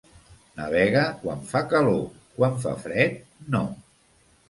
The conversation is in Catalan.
Navega quan fa calor; quan fa fred, no.